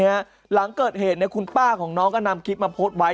ก็รีบมาดูนะฮะหลังเกิดเหตุคุณป้าของน้องก็นำคลิปมาโพสต์ไว้